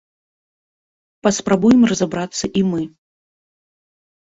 Паспрабуем разабрацца і мы.